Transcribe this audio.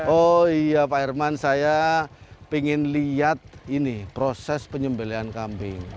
oh iya pak herman saya ingin lihat ini proses penyembelian kambing